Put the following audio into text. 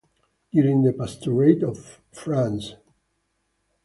During the pastorate of Fr.